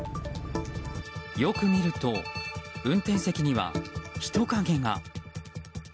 よく見ると運転席には人影が。